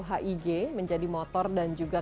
hig menjadi motor dan juga